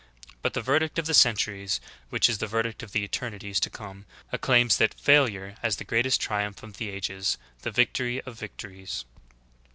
But the verdict of the centuries, which is the verdict of the eternities to come, acclaims that ''failure" as the greatest triumph of the ages, the victory of victories.